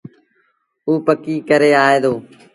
اُ پڪيٚ ڪري آئي دو۔